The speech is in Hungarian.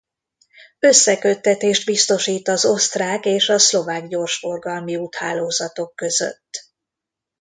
Összeköttetést biztosít az osztrák és a szlovák gyorsforgalmi úthálózatok között.